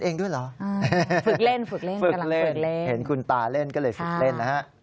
แต่ก็ฝึกเล่นที่กำลังฝึกเล่น